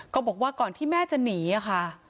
บอกว่าก่อนที่แม่จะหนีค่ะ